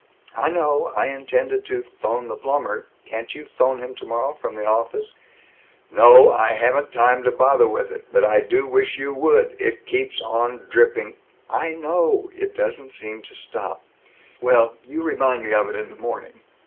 "I know. I intended to 'phone the plumber Can't you 'phone him tomorrow, from the office?" "No, I haven't time to bother with it. But I do wish you would. It keeps on dripping " "I know, it doesn't seem to stop. Well, you remind me of it in the morning."